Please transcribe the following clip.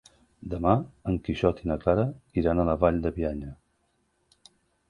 Demà en Quixot i na Clara iran a la Vall de Bianya.